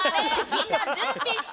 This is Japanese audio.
みんな準備して。